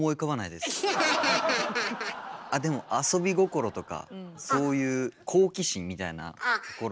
あっでも遊び心とかそういう好奇心みたいなところを。